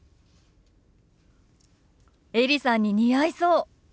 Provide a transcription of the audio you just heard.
エリさんに似合いそう。